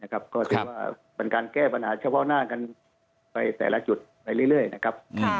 ก็ถือว่าเป็นการแก้ปัญหาเฉพาะหน้ากันไปแต่ละจุดไปเรื่อยนะครับ